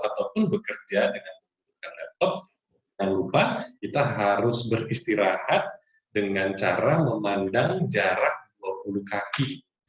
ataupun bekerja dengan menggunakan laptop jangan lupa kita harus beristirahat dengan cara memandang jarak dua puluh kaki